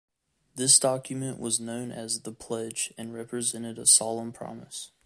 This document was known as The Pledge and represented a solemn promise.